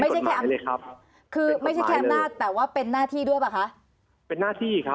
ไม่ใช่แค่อำนาจแต่ว่าเป็นหน้าที่ด้วยป่ะคะ